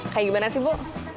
kayak gimana sih bu